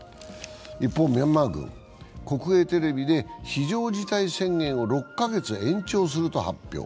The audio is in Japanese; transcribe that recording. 一方、ミャンマー軍は国営テレビで非常事態宣言を６か月延長すると発表。